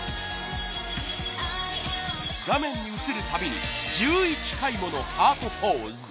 画面に映るたびに１１回ものハートポーズ。